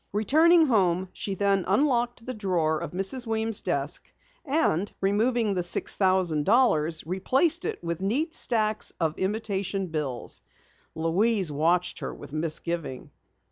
Returning home, she then unlocked the drawer of Mrs. Weems' desk and, removing the six thousand dollars, replaced it with neat stacks of imitation bills. Louise watched her with misgiving.